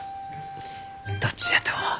どっちじゃと思う？